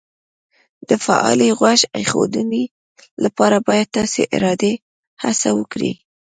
د فعالې غوږ ایښودنې لپاره باید تاسې ارادي هڅه وکړئ